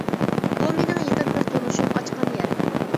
بۇ مېنىڭ يېقىن بىر تونۇشۇم ئاچقان يەر.